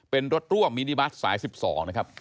เป็นรถร่วมมินิบัสสาย๑๒นะครับ